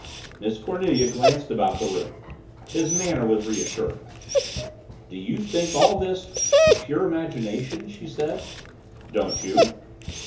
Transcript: Miss Cornelia glanced about the room. His manner was reassuring. "Do you think all this pure imagination?" she said. "Don't you?"